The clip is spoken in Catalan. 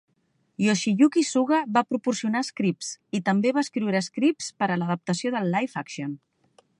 Yoshiyuki Suga va proporcionar scripts, i també va escriure scripts per a l'adaptació del live-action.